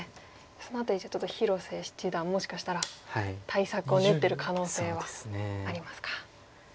その辺りちょっと広瀬七段もしかしたら対策を練ってる可能性はありますか。